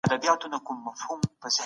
هوتکي محمود د خپلو سرتېرو سره ولیدل.